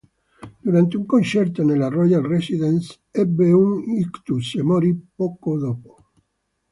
Durante un concerto nella "Royal Residence", ebbe un ictus e morì poco dopo.